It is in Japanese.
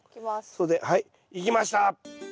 それではいいきました！